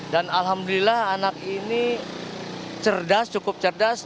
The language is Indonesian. dan alhamdulillah anak ini cerdas cukup cerdas